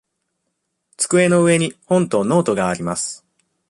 机の上に本とノートがあります。